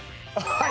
はい。